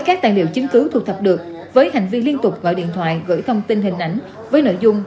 chính cứu thu thập được với hành vi liên tục gọi điện thoại gửi thông tin hình ảnh với nội dung